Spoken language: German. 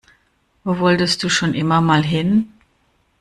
Wo wolltest du schon immer mal hin?